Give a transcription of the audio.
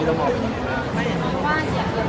ช่องความหล่อของพี่ต้องการอันนี้นะครับ